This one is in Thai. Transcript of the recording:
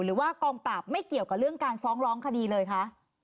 หรือว่ากองปราบไม่เกี่ยวกับเรื่องการฟ้องร้องคดีเลยคะ